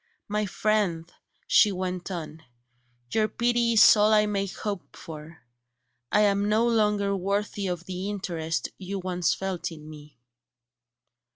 "My friend," she went on, "your pity is all I may hope for; I am no longer worthy of the interest you once felt in me."